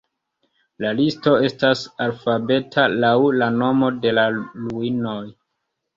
La listo estas alfabeta laŭ la nomo de la ruinoj.